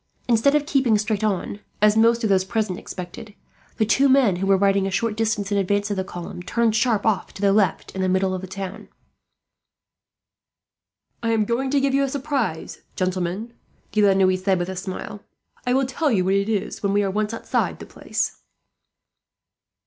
Instead of keeping straight on, as most of those present expected, the two men who were riding a short distance in advance of the column turned sharp off to the left, in the middle of the town. "I am going to give you a surprise, gentlemen," De la Noue said, with a smile. "I will tell you what it is when we are once outside the place."